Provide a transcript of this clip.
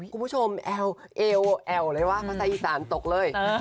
คุณผู้ชมแอวเอวแอวเลยว่าภาษาอีสานตกเลย